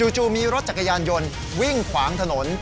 จู่มีรถจักรยานยนต์วิ่งขวางถนน